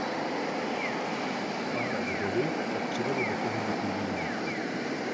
Pára z vody pak přivede do pohybu turbínu.